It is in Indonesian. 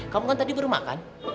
kamu kan tadi baru makan